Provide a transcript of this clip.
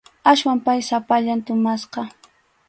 Aswan pay sapallan tumasqa.